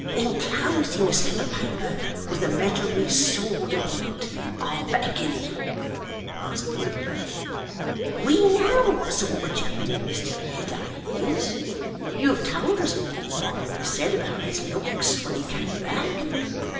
' Inclosing a slip of paper with the measure of his sword upon it, I'll bet a guinea,' answered the little man. 'We know what sort of gentleman Mr Haredale is. You have told us what Barnaby said about his looks, when he came back.